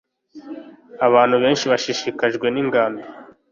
abantu benshi bashishikajwe ningando